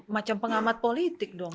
macam pengamat politik dong